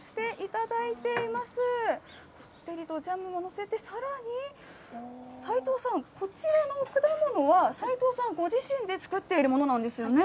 たっぷりとジャムを載せて、さらに、齋藤さん、こちらの果物は、齋藤さんご自身で作っているものそうなんです。